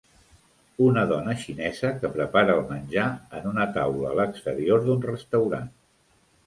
Una dona xinesa que prepara el menjar en una taula a l'exterior d'un restaurant.